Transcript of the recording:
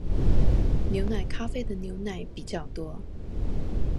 牛奶咖啡的牛奶比較多